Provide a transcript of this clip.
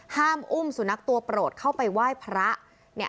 อุ้มสุนัขตัวโปรดเข้าไปไหว้พระ